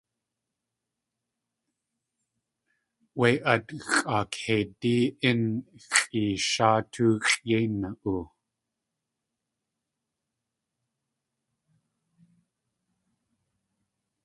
Wé at xʼaakeidí ín xʼeesháa tóoxʼ yéi na.oo!